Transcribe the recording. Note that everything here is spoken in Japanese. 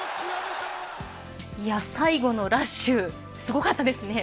最後のラッシュすごかったですね。